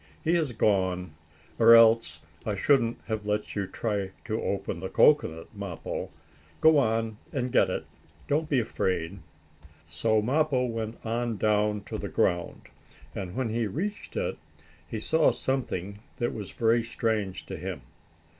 He has gone, or else I shouldn't have let you try to open the cocoanut, Mappo. Go on and get it; don't be afraid." So Mappo went on down to the ground. And, when he reached it, he saw something that was very strange to him.